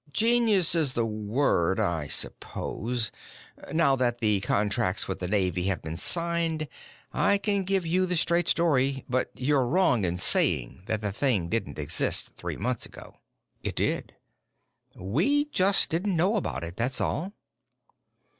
"Genius is the word, I suppose. Now that the contracts with the Navy have been signed, I can give you the straight story. But you're wrong in saying that the thing didn't exist three months ago. It did. We just didn't know about it, that's all."